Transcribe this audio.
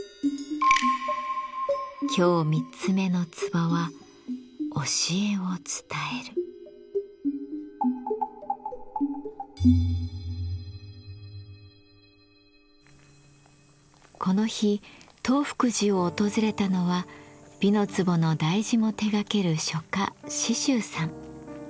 今日３つ目の壺はこの日東福寺を訪れたのは「美の壺」の題字も手がける書家紫舟さん。